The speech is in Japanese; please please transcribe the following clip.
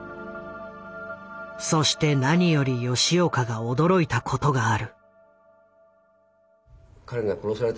そして何より吉岡が驚いたことがある。